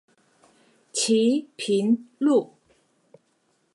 旗屏路